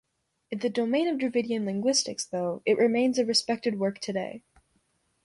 In the domain of Dravidian linguistics though, it remains a respected work today.